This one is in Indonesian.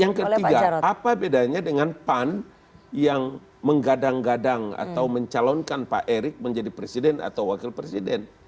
yang ketiga apa bedanya dengan pan yang menggadang gadang atau mencalonkan pak erick menjadi presiden atau wakil presiden